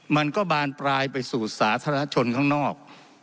มันก็บานปลายไปสู่สาธารณชนข้างนอก